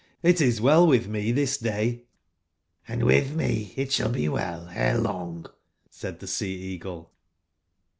It is well witb me tbis day ''^''Hnd witb me it sball be well ere long," said tbe Sea/eagle.